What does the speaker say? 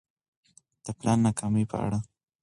د پلان ناکامي په اړه